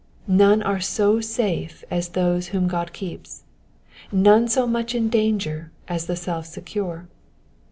None are so safe as those whom God keeps ; none so much in danger as the self secure.